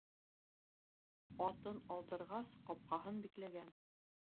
Атын алдырғас, ҡапҡаһын бикләгән.